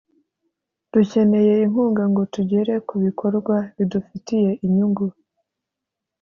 Dukeneye inkunga ngo tugere ku bikorwa bidufitiye inyungu